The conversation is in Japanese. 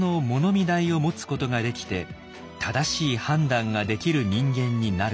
見台を持つことができて正しい判断ができる人間になること。